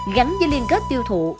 gắn với liên kết tiêu thụ